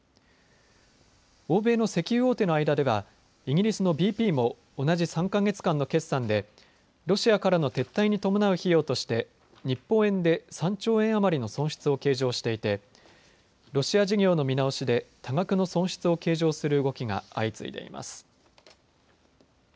欧米の石油大手の間ではイギリスのＢＰも同じ３か月間の決算でロシアからの撤退に伴う費用として日本円で３兆円余りの損失を計上していてロシア事業の見直しで多額の損失を計上する動きが相次いでいます。